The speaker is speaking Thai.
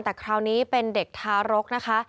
แต่คราวนี้เป็นเด็กทารกนะคะ